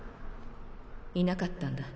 いなかったんだ。